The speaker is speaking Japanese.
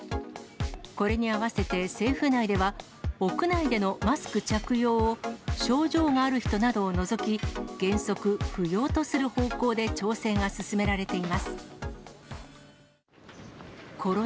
これに合わせて、政府内では、屋内でのマスク着用を症状がある人などを除き、原則、不要とする方向で調整が進められています。